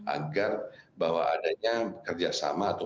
agar bahwa adanya kerjasama atau